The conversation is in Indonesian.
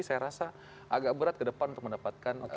saya rasa agak berat ke depan untuk mendapatkan